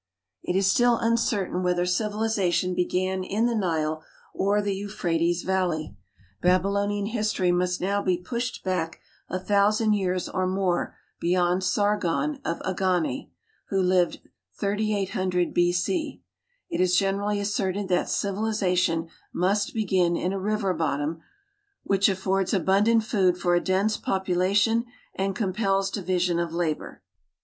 It is still uncertain whether civilization began in the Nile or the Euphrates valley. Babylonian history must now be i^ushed back a thousand years or more beyond Sargon of Agane, who lived 3800 B. C. It is generally asserted that civilization must begin in a river bottom which affords abundant food for a dense population and compels division of labor.